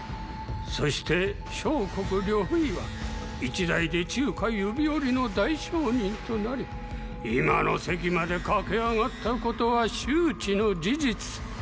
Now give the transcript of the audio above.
そして相国呂不韋は一代で中華指折りの大商人となり今の席までかけ上がったことは周知の事実。